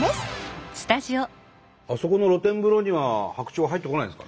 あそこの露天風呂には白鳥は入ってこないんですかね？